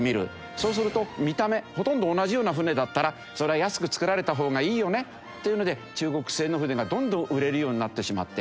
そうすると見た目ほとんど同じような船だったらそりゃあ安く造られた方がいいよねというので中国製の船がどんどん売れるようになってしまって。